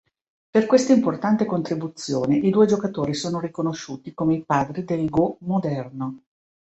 Per quest'importante contribuzione, i due giocatori sono riconosciuti come i padri del go moderno.